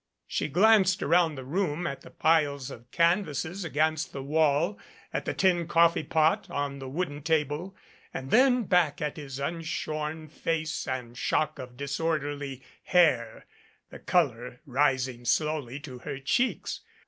She glanced around the room at the piles of canvases against the wall, at the tin coffee pot on the wooden table, and then back at his unshorn face and shock of disorderly hair, the color rising slowly to her cheeks.